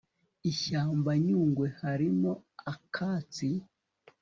Ishyamba Nyungwe harimo akatsi